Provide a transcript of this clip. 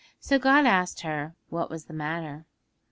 So God asked her what was the matter.